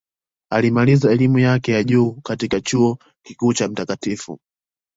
Alimaliza elimu yake ya juu katika Chuo Kikuu cha Mt.